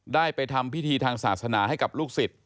ได้ไปทำพิธีทางศาสนาให้กับลูกศิษย์